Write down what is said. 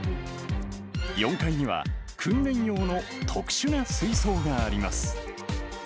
４階には訓練用の特殊な水槽があります。